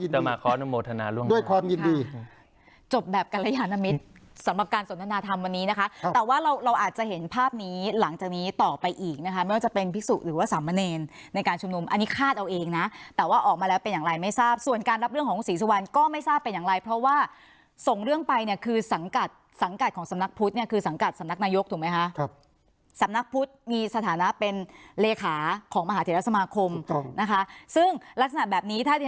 ด้วยความยินดีจบแบบกรยานมิตรสำหรับการสนทนาธรรมวันนี้นะคะครับแต่ว่าเราเราอาจจะเห็นภาพนี้หลังจากนี้ต่อไปอีกนะคะไม่ว่าจะเป็นภิกษุหรือว่าสำเนญในการชุมนุมอันนี้คาดเอาเองนะแต่ว่าออกมาแล้วเป็นอย่างไรไม่ทราบส่วนการรับเรื่องของคุณศรีสุวรรณก็ไม่ทราบเป็นอย่างไรเพราะว่าส่งเร